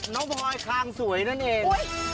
น้องพอยก็ครามสวยนั่นเอง